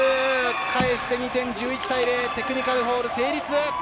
返して２点、１１対０テクニカルフォール成立。